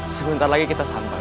sebentar lagi kita sampai